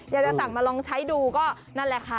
อยากจะสั่งมาลองใช้ดูก็นั่นแหละค่ะ